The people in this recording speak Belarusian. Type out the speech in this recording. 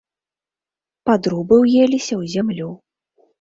Падрубы ўеліся ў зямлю.